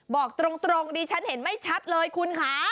บอกตรงดิฉันเห็นไม่ชัดเลยคุณค่ะ